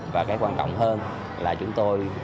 và cái quan trọng hơn là chúng tôi